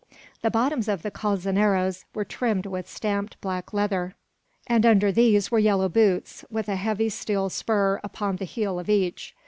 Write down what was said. The bottoms of the calzoneros were trimmed with stamped black leather; and under these were yellow boots, with a heavy steel spur upon the heel of each.